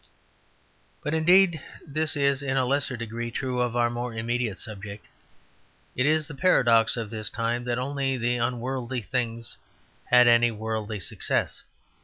But indeed this is, in a lesser degree, true of our more immediate subject. It is the paradox of this time that only the unworldly things had any worldly success.